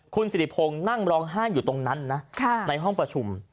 คุณสิริพงศ์นั่งร้องไห้อยู่ตรงนั้นนะในห้องประชุม